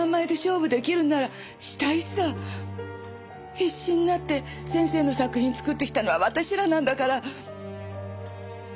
必死になって先生の作品作ってきたのは私らなんだから！